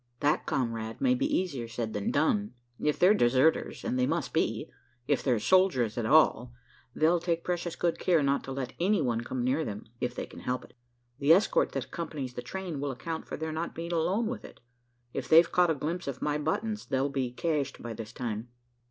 "That, comrade, may be easier said than done. If they're deserters and they must be, if they're soldiers at all they'll take precious good care not to let any one come near them, if they can help it. The escort that accompanies the train will account for their not being along with it. If they've caught a glimpse of my buttons, they'll be cached by this time."